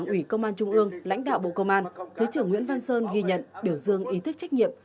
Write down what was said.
ủy công an trung ương lãnh đạo bộ công an thứ trưởng nguyễn văn sơn ghi nhận biểu dương ý thức trách nhiệm